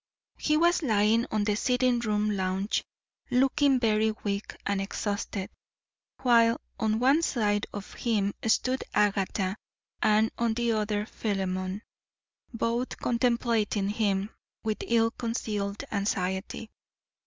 He was lying on the sitting room lounge, looking very weak and exhausted, while on one side of him stood Agatha and on the other Philemon, both contemplating him with ill concealed anxiety.